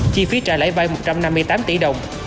chi phí trả lấy vai một trăm năm mươi tám tỷ đồng